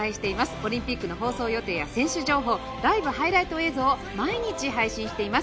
オリンピックの放送予定や選手情報ライブ、ハイライト映像を毎日配信しています。